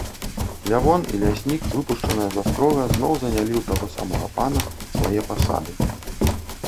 Лявон і ляснік, выпушчаныя з астрога, зноў занялі ў таго самага пана свае пасады.